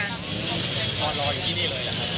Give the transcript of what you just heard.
นอนรออยู่ที่นี่เลยครับ